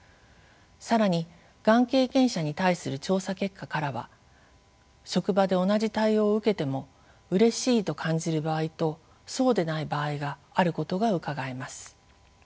更にがん経験者に対する調査結果からは職場で同じ対応を受けてもうれしいと感じる場合とそうでない場合があることがうかがえます。